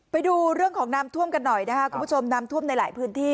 ไปดูเรื่องของน้ำท่วมกันหน่อยนะคะคุณผู้ชมน้ำท่วมในหลายพื้นที่